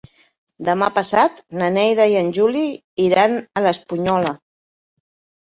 Demà passat na Neida i en Juli iran a l'Espunyola.